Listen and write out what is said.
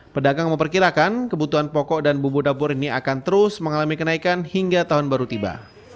pedagang memperkirakan kebutuhan pokok dan bumbu dapur ini akan terus mengalami kenaikan hingga tahun baru tiba